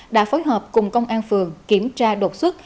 đã phối hợp cùng công an phường kiểm tra đột xuất